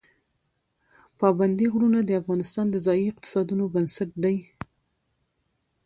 پابندی غرونه د افغانستان د ځایي اقتصادونو بنسټ دی.